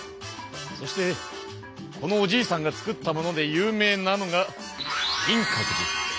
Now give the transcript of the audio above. そしてこのおじいさんが作ったもので有名なのが金閣寺。